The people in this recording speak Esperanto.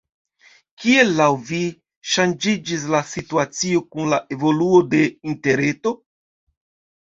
Kiel laŭ vi ŝanĝiĝis la situacio kun la evoluo de interreto?